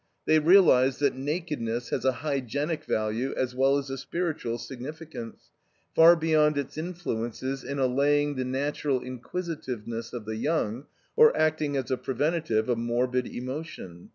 They realize that "nakedness has a hygienic value as well as a spiritual significance, far beyond its influences in allaying the natural inquisitiveness of the young or acting as a preventative of morbid emotion.